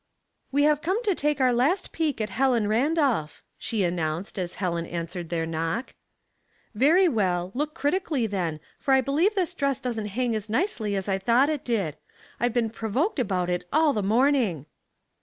" We have come to take our last peak at Helen Randolph," she announced, as Helen answered their knock. " Very well ; look critically then, for I believe this dT'^ss doesn't hang as nicely as I thought it did. I've been provoked about it all the morning."